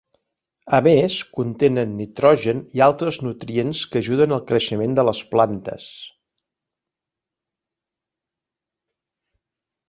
A més, contenen nitrogen i altres nutrients que ajuden al creixement de les plantes.